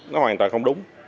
nó hoàn toàn không đúng